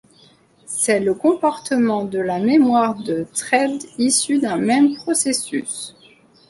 C'est le comportement de la mémoire de threads issus d'un même processus.